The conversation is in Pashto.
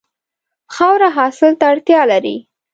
خاوره حاصل ته اړتیا لري.